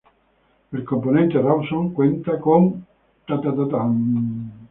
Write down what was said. El componente Rawson cuenta con